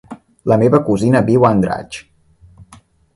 La meva cosina viu a Andratx.